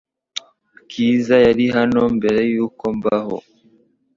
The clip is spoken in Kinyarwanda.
Bwiza yari hano mbere yuko mbaho .